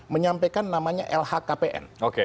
menyampaikan namanya lhkpn